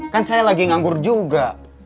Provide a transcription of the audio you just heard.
kan saya lagi nganggur juga